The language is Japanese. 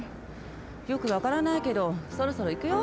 よくわからないけどそろそろいくよ。